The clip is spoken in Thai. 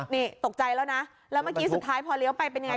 นี่ตกใจแล้วนะแล้วเมื่อกี้สุดท้ายพอเลี้ยวไปเป็นยังไง